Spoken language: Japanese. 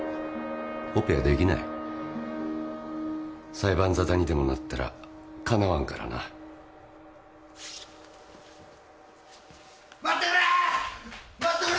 オペはできない裁判沙汰にでもなったらかなわんからな・待ってくれ！